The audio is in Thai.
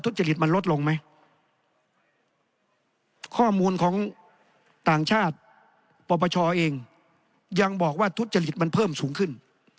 ปรบประชาเองยังบอกว่าทุศจริตมันเพิ่มสูงขึ้น